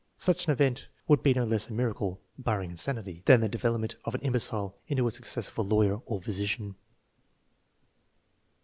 Such an event would be no less a miracle (barring insanity) than the de velopment of an imbecile into a successful lawyer or physician.